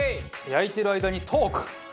焼いている間にトーク。